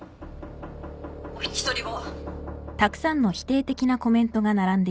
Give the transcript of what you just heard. お引き取りを。